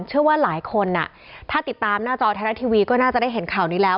เชื่อว่าหลายคนถ้าติดตามหน้าจอไทยรัฐทีวีก็น่าจะได้เห็นข่าวนี้แล้ว